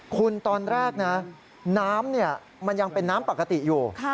คุณตอนแรกนะน้ำมันยังเป็นน้ำปกติอยู่